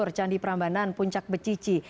percaya di prambanan puncak becici